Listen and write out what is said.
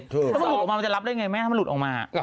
ถ้ามันหลุดออกมามันจะรับได้อย่างไรไหมถ้ามันหลุดออกมา